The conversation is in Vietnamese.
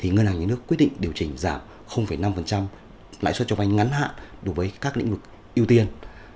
ngân hàng nhé nước quyết định điều chỉnh giảm năm lãi suất cho vay ngắn hạ đủ với các lĩnh vực ưu tiên